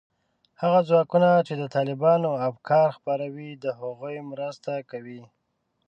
هغه ځواکونو چې د طالبانو افکار خپروي، د هغوی مرسته کوي